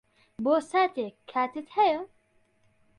بۆ ساتێک کاتت ھەیە؟